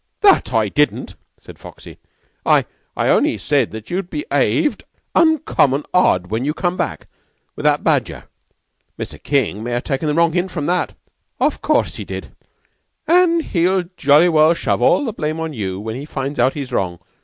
"That I didn't," said Foxy. "I I only said that you be'aved uncommon odd when you come back with that badger. Mr. King may have taken the wrong hint from that." "'Course he did; an' he'll jolly well shove all the blame on you when he finds out he's wrong.